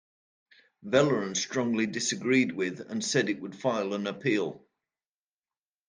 Veleron strongly disagreed with and said it would file an appeal.